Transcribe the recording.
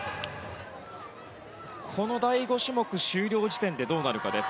この第５種目終了時点でどうなるかです。